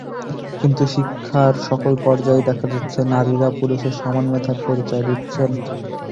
কিন্তু শিক্ষার সকল পর্যায়েই দেখা যাচ্ছে, নারীরা পুরুষের সমান মেধার পরিচয় দিচ্ছেন।